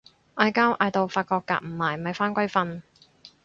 嗌交嗌到發覺夾唔埋咪返歸瞓